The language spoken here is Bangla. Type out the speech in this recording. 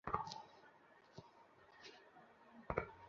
হাতটা নাড়াচাড়া করিস না।